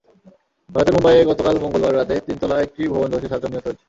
ভারতের মুম্বাইয়ে গতকাল মঙ্গলবার রাতে তিনতলা একটি ভবন ধসে সাতজন নিহত হয়েছে।